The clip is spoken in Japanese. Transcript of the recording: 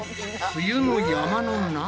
冬の山の中！？